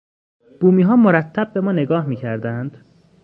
بومیها مرتب به ما نگاه میکردند.